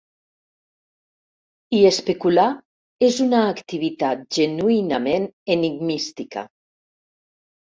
I especular és una activitat genuïnament enigmística.